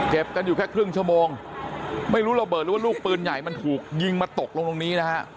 กันอยู่แค่ครึ่งชั่วโมงไม่รู้ระเบิดหรือว่าลูกปืนใหญ่มันถูกยิงมาตกลงตรงนี้นะฮะ